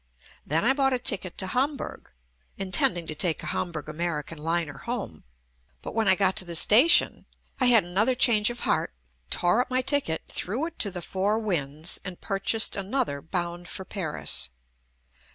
Then I bought a ticket to Hamburg, intend ing to take a Hamburg American liner home, but when I got to the station I had another change of heart, tore up my ticket, threw it to the four winds and purchased another bound for Paris.